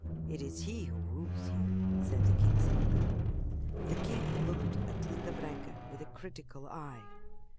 It is he who rules here," said the king's mother. The king looked at Linda Branca with a critical eye.